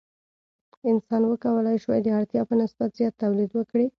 انسان وکولی شوای د اړتیا په نسبت زیات تولید وکړي.